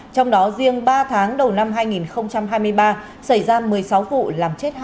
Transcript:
trong đó riêng ba tháng đầu năm hai nghìn hai mươi ba xảy ra một mươi sáu vụ làm chết hai mươi